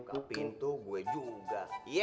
buka pintu gue juga